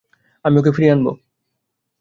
আমি ওকে ফিরিয়ে আনবো।